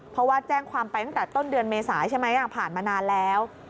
เพราะว่าแจ้งความไปตั้งแต่ต้นเดือนเมษาใช่ไหมผ่านมานานแล้ว